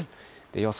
予想